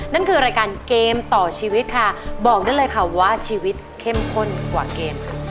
นั่นคือรายการเกมต่อชีวิตค่ะบอกได้เลยค่ะว่าชีวิตเข้มข้นกว่าเกมค่ะ